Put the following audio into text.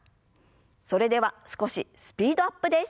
それでは少しスピードアップです。